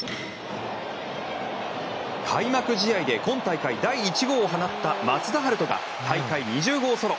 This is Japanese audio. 開幕試合で今大会第１号を放った松田陽斗が、大会２０号ソロ！